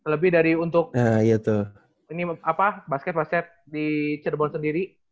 lebih dari untuk basket basket di cirebon sendiri